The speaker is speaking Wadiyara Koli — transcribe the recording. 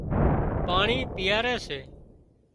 پاڻي پيئاري سي